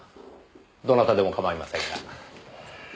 どなたでも構いませんが。